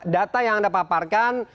data yang anda paparkan